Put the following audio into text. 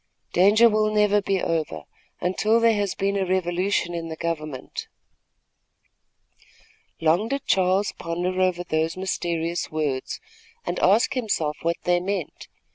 "Danger never will be over, until there has been a revolution in the government." Long did Charles ponder over those mysterious words, and ask himself what they meant.